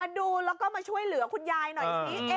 ดูแล้วก็มาช่วยเหลือคุณยายหน่อยสิ